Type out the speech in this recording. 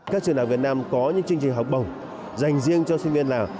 các trường đạo việt nam có những chương trình học bổng dành riêng cho sinh viên lào